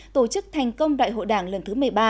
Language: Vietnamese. tổ chức thành công đại hội đảng lần thứ một mươi ba